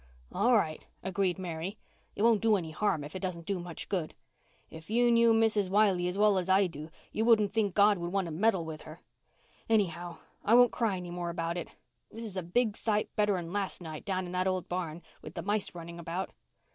"All right," agreed Mary. "It won't do any harm if it doesn't do much good. If you knew Mrs. Wiley as well as I do you wouldn't think God would want to meddle with her. Anyhow, I won't cry any more about it. This is a big sight better'n last night down in that old barn, with the mice running about.